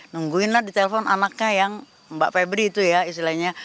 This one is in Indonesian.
nungguin lah di telpon anaknya yang mbak febri itu ya istilahnya